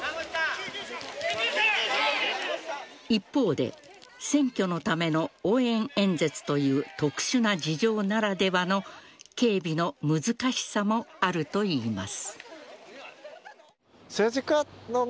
一方で、選挙のための応援演説という特殊な事情ならではの警備の難しさもあるといいます。